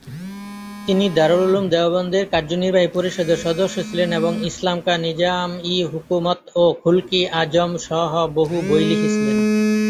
তিনি দারুল উলুম দেওবন্দের কার্যনির্বাহী পরিষদের সদস্য ছিলেন এবং "ইসলাম কা নিজাম-ই-হুকুমত ও খুলক-ই-আজিম" সহ বহু বই লিখেছিলেন।